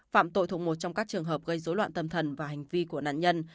phạm tội thuộc một trong các trường hợp gây dối loạn tâm thần và hành vi của nạn nhân